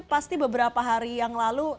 pasti beberapa hari yang lalu